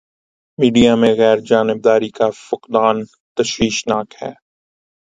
Media میں غیر جانبداری کا فقدان تشویش ناک ہے۔